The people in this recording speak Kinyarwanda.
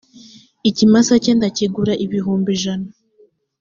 ikimasa cye ndakigura ibihumbi ijana